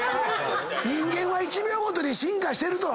人間は１秒ごとに進化してると。